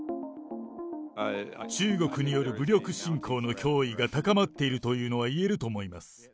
中国による武力侵攻の脅威が高まっているというのは言えると思います。